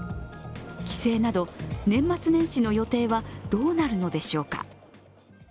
帰省など年末年始の予定はどうなるのでしょうか。